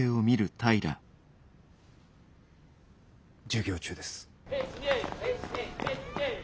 授業中です。